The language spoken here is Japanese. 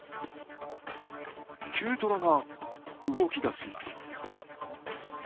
軽トラが動き出します。